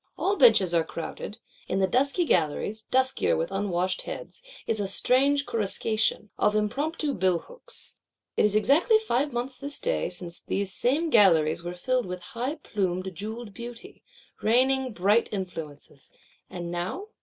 All benches are crowded; in the dusky galleries, duskier with unwashed heads, is a strange "coruscation,"—of impromptu billhooks. It is exactly five months this day since these same galleries were filled with high plumed jewelled Beauty, raining bright influences; and now?